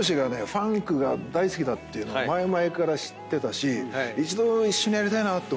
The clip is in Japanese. ファンクが大好きだっていうの前々から知ってたし一度一緒にやりたいなって思いあったんですよ。